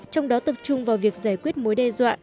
trong đó tập trung vào việc giải quyết mối đe dọa